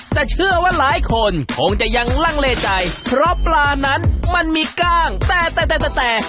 แต่เชื่อว่าหลายคนคงจะยังลังเลใจเพราะปลานั้นมันมีกล้างแต่แต่แต่